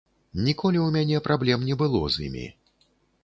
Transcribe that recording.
Ніколі ў мяне праблем не было з імі.